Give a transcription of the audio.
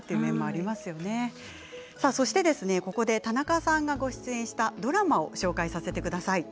そして、ここで田中さんがご出演したドラマをご紹介させてください。